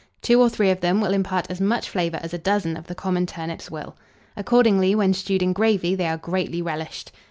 Two or three of them will impart as much flavour as a dozen of the common turnips will. Accordingly, when stewed in gravy, they are greatly relished.